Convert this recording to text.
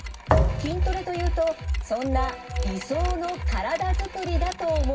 筋トレというとそんな理想の体づくりだと思われがち。